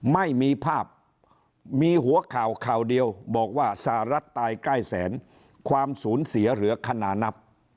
ไม่มีภาพมีหัวข่าวข่าวเดียวบอกว่าสหรัฐตายใกล้แสนความสูญเสียเหลือคณะนับ